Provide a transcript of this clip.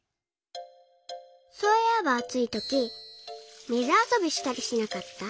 そういえばあついとき水あそびしたりしなかった？